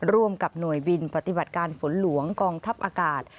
ร่วมกับหน่วยบินปฏิบัติการฝนหลวงกองทัพอากาศ